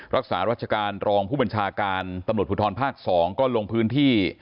รักษารัชการรองผู้บัญชาการตำรวจภูทรภาค๒ก็ลงพื้นที่